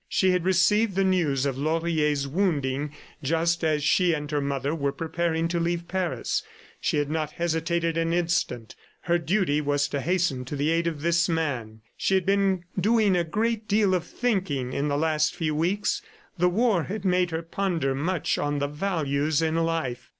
She had received the news of Laurier's wounding just as she and her mother were preparing to leave Paris. She had not hesitated an instant; her duty was to hasten to the aid of this man. She had been doing a great deal of thinking in the last few weeks; the war had made her ponder much on the values in life.